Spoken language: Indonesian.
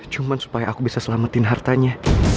cuma supaya aku bisa selamatin hartanya